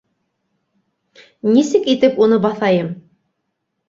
Нисек итеп уны баҫайым?